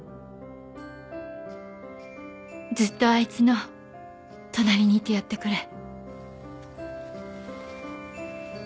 ずっとあいつの隣にいてやってくれ